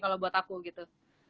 kalau buat aku gitu